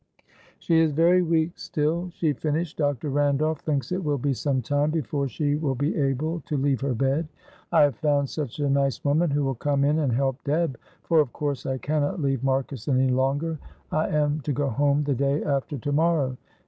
"She is very weak still," she finished. "Dr. Randolph thinks it will be some time before she will be able to leave her bed. I have found such a nice woman who will come in and help Deb, for of course I cannot leave Marcus any longer. I am to go home the day after to morrow.